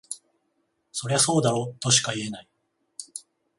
そりゃそうだろとしか言えない